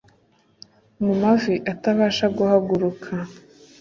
mu mavi atabasha guhaguruka